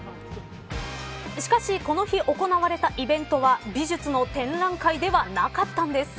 しかしこの日、行われたイベントは美術の展覧会ではなかったんです。